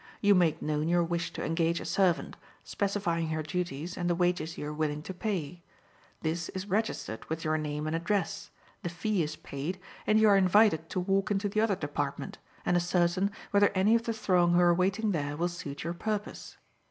You make known your wish to engage a servant, specifying her duties and the wages you are willing to pay. This is registered with your name and address, the fee is paid, and you are invited to walk into the other department, and ascertain whether any of the throng who are waiting there will suit your purpose.